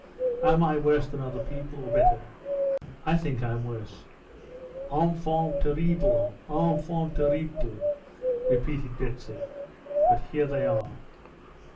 "Am I worse than other people, or better? I think I'm worse." "Enfant terrible, enfant terrible!" repeated Betsy. "But here they are."